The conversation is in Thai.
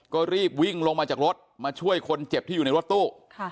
ก็รีบวิ่งลงมาจากรถมาช่วยคนเจ็บที่อยู่ในรถตู้